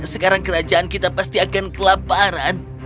sekarang kerajaan kita pasti akan kelaparan